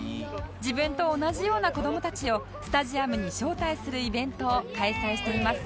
自分と同じような子どもたちをスタジアムに招待するイベントを開催しています